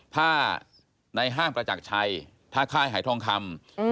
ถ้าในห้างประจักรชัยถ้าค่ายหายทองคำ